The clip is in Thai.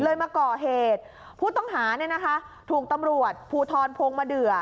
มาก่อเหตุผู้ต้องหาเนี่ยนะคะถูกตำรวจภูทรพงมาเดือ